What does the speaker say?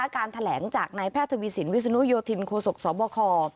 การแถลงจากนายแพทย์ทวีสินวิศนุโยธินโคศกสบค